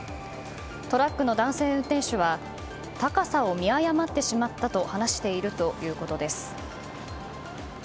トラックの男性運転手は高さを見誤ってしまったと話しているということです。